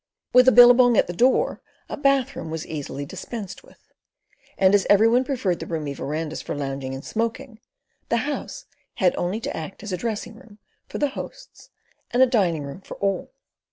With a billabong at the door, a bathroom was easily dispensed with; and as every one preferred the roomy verandahs for lounging and smoking, the House had only to act as a dressing room for the hosts and a dining room for all.